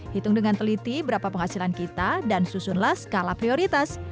hitung dengan teliti berapa penghasilan kita dan susunlah skala prioritas